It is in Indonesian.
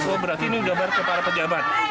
oh berarti ini udah berkepala pejabat